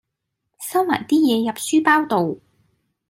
收埋啲嘢入書包度